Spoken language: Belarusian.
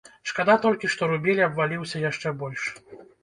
Шкада толькі, што рубель абваліўся яшчэ больш.